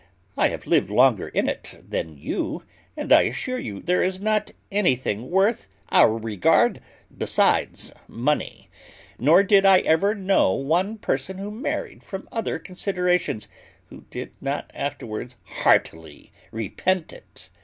I have lived longer in it than you; and I assure you there is not anything worth our regard besides money; nor did I ever know one person who married from other considerations, who did not afterwards heartily repent it.